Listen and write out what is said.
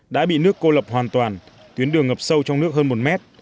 đã bị nước cô lập hoàn toàn tuyến đường ngập sâu trong nước hơn một mét